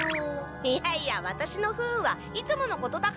いやいやワタシの不運はいつものことだから。